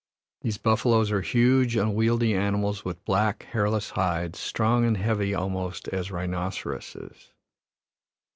These buffaloes are huge, unwieldy animals with black, hairless hides, strong and heavy almost as rhinoceroses.